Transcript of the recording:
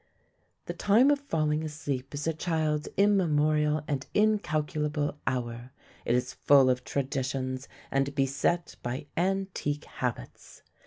The time of falling asleep is a child's immemorial and incalculable hour. It is full of traditions, and beset by antique habits.